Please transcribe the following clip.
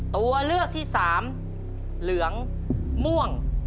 ตัวเลือกที่สามเหลืองม่วง